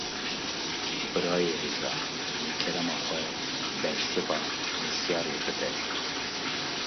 Birayê hêja, ji kerema xwe bersiva pirsyarê bide